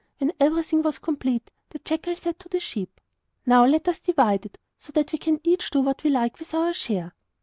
When everything was complete, the jackal said to the sheep: 'Now let us divide it, so that we can each do what we like with his share.